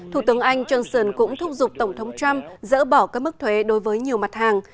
thủ tướng anh johnson cũng thúc giục tổng thống trump dỡ bỏ các mức thuế đối với nhiều mặt hàng